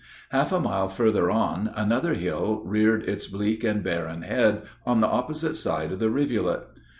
"Half a mile further on, another hill reared its bleak and barren head on the opposite side of the rivulet.